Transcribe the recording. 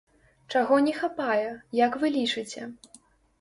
Чаго не хапае, як вы лічыце?